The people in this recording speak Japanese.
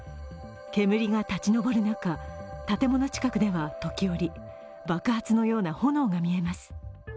煙が立ち上る中建物近くでは時折、爆発のような炎が見えます。